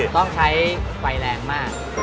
ต้องใช้ไฟแรงมาก